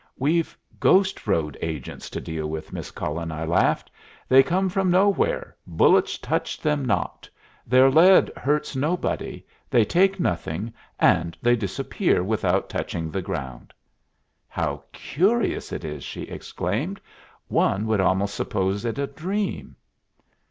"We've ghost road agents to deal with, Miss Cullen," I laughed. "They come from nowhere, bullets touch them not, their lead hurts nobody, they take nothing, and they disappear without touching the ground." "How curious it is!" she exclaimed. "One would almost suppose it a dream."